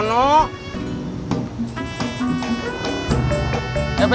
eh pat teman gue pat